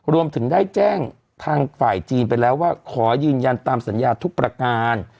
รวมถึงได้แจ้งทางฝ่ายจีนไปแล้วว่าขอยืนยันตามสัญญาทุกประการ